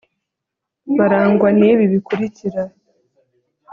barangwa n'ibi bikurikira